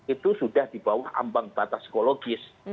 itu sudah di bawah ambang batas psikologis